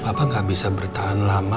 papa gak bisa bertahan lama